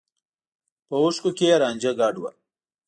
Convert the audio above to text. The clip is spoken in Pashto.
په اوښکو کې يې رانجه ګډ و.